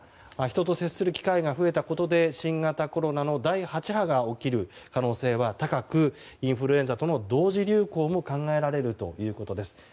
人と接する機会が増えたことで新型コロナの第８波が起きる可能性は高くインフルエンザとの同時流行も考えられるということです。